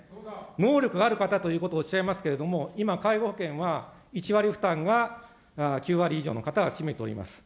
能力がある方ということをおっしゃいますけれども、今、介護保険は１割負担が９割以上の方が占めております。